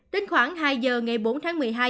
đến khoảng hai giờ ngày bốn tháng một mươi hai